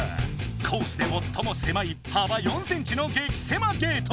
コースで最もせまいはば４ｃｍの激せまゲート。